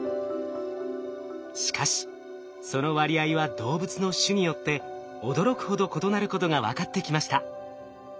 しかしその割合は動物の種によって驚くほど異なることが分かってきました。